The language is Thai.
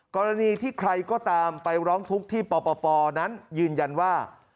กรณีที่ใครก็ตามไปร้องทุกข์ที่ปปนั้นยืนยันว่า